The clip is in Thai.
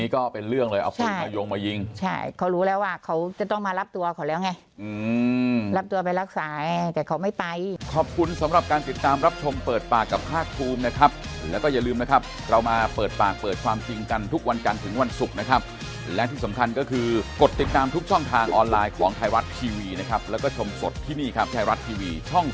เขารู้แล้วว่าเขาจะต้องมารับตัวเขาแล้วไงอืมรับตัวไปรักษาแต่เขาไม่ไป